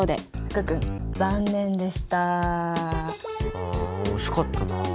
あ惜しかったな。